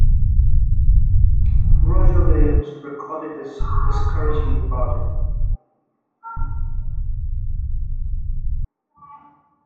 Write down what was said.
Roger Williams recorded his discouragement about it.